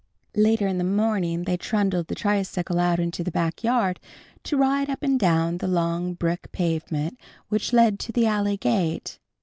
Later in the morning they trundled the tricycle out into the back yard, to ride up and down the long brick pavement which led to the alley gate.